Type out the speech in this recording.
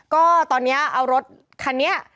ก็ตอนนี้เอารถคันนี้